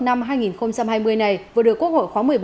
năm hai nghìn hai mươi này vừa được quốc hội khóa một mươi bốn